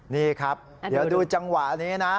นี่ครับเดี๋ยวดูจังหวะนี้นะ